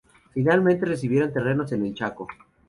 Finalmente recibieron terrenos en el Chaco.